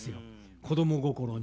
子供心に。